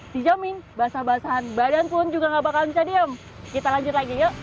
dijamin basah basahan badan pun juga gak bakal bisa diam kita lanjut lagi yuk